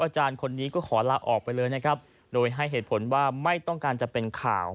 อาจารย์คนนี้ก็ขอลาออกไปเลยนะครับโดยให้เหตุผลว่าไม่ต้องการจะเป็นข่าว